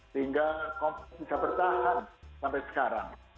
sehingga bisa bertahan sampai sekarang